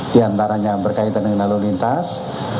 diantaranya berkaitan dengan lalu lintas